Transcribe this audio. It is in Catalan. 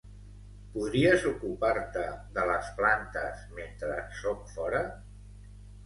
Podries ocupar-te de les plantes mentre sóc fora?